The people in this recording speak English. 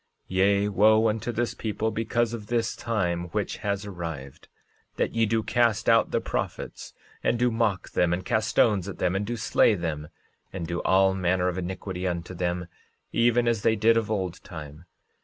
13:24 Yea, wo unto this people, because of this time which has arrived, that ye do cast out the prophets, and do mock them, and cast stones at them, and do slay them, and do all manner of iniquity unto them, even as they did of old time.